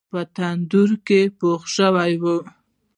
په تندور کې پخه شوې وه.